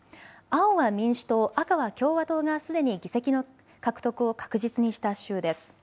青は民主党、赤は共和党がすでに議席の獲得を確実にした州です。